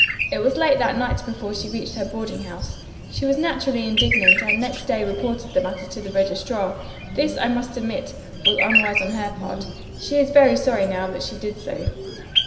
It was late that night before she reached her boarding house. She was naturally indignant and next day reported the matter to the registrar. This, I must admit, was unwise on her part. She is very sorry, now, that she did so."